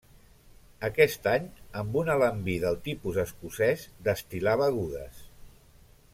Aquest any amb un alambí del tipus escocès destil·la begudes.